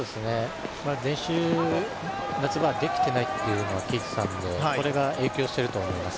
練習、夏場はできていないというのは聞いていたんでこれが影響していると思います。